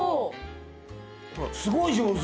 ほらすごい上手。